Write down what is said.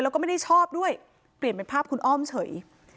แล้วก็ไม่ได้ชอบด้วยเปลี่ยนเป็นภาพคุณอ้อมเฉย